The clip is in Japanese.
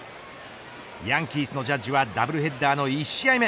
ヤンキースのジャッジはダブルヘッダーの１試合目。